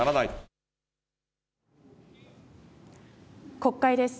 国会です。